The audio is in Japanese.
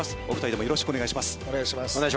お二人ともよろしくお願いします。